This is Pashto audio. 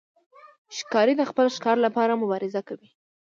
ښکاري د خپل ښکار لپاره مبارزه کوي.